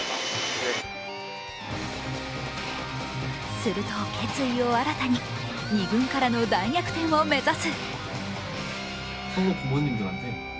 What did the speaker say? すると決意を新たに２軍からの大逆転を目指す。